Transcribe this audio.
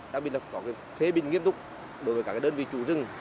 đặc biệt là có phế binh nghiêm túc bởi các đơn vị chủ rừng